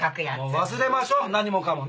もう忘れましょう何もかもね。